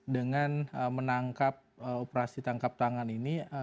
dengan menangkap operasi tangkap tangan ini